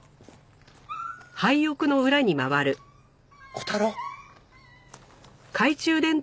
小太郎？